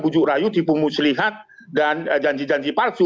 ujuk rayu tipung muslihat dan janji janji palsu